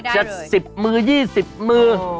จะสิบมือยี่สิบมือ